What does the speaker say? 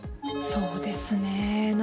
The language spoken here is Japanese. そうですね。